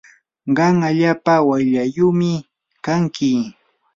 qam allaapa wayllaayumi kanki.